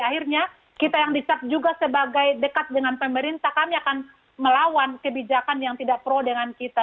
akhirnya kita yang dicap juga sebagai dekat dengan pemerintah kami akan melawan kebijakan yang tidak pro dengan kita